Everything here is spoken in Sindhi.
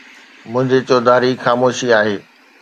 منهنجي چوڌاري خاموشي آهي.